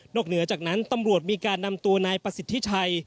เหนือจากนั้นตำรวจมีการนำตัวนายประสิทธิชัย